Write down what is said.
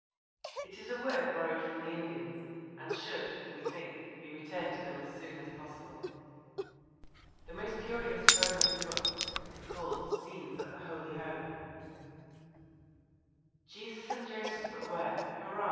It is a word borrowed from the Indians, and should, we think, be returned to them as soon as possible. The most curious poem of the book is called Scenes at the Holy Home: Jesus and Joseph at work! Hurra!